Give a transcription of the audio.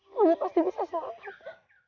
kamu pasti bisa selamat